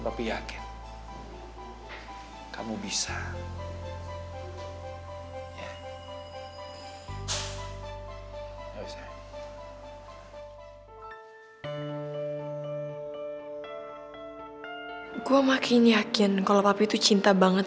tau sampe percaya tapi pasti bakalan down banget